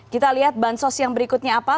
kita lihat bansos yang berikutnya apa